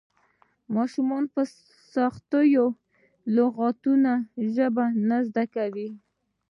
ماشومان په سختو لغتونو ژبه نه زده کوي.